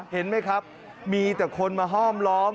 เห็นไหมครับมีแต่คนมาห้อมล้อม